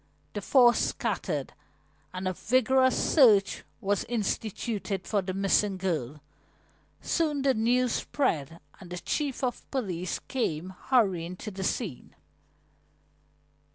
The four scattered, and a vigorous search was instituted for the missing girl. Soon the news spread and the chief of police came hurrying to the scene.